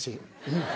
うん。